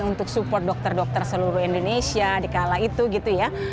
untuk support dokter dokter seluruh indonesia dikala itu gitu ya